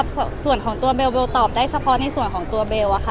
ส่วนของตัวเบลตอบได้เฉพาะในส่วนของตัวเบลอะค่ะ